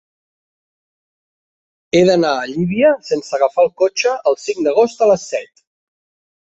He d'anar a Llívia sense agafar el cotxe el cinc d'agost a les set.